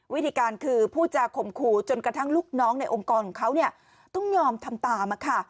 วิธีการคือผู้จาข่มขู่จนกระทั่งลูกน้องในองค์กรของเขาต้องยอมทำตาม